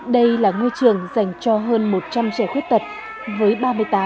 đây là ngôi trường dành cho hơn một trăm linh trẻ khuyết tật